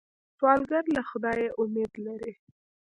سوالګر له خدایه امید لري